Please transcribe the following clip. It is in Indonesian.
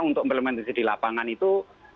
untuk implementasi di lapangan itu